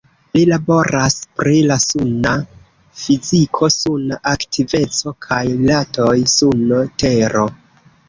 Li laboras pri la suna fiziko, suna aktiveco kaj rilatoj Suno-tero.